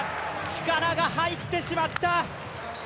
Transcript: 力が入ってしまった。